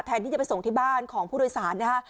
ที่จะไปส่งที่บ้านของผู้โดยสารนะฮะ